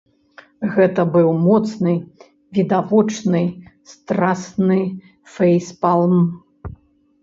Гэта быў моцны, відавочны, страсны фэйспалм.